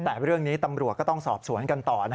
แต่เรื่องนี้ตำรวจก็ต้องสอบสวนกันต่อ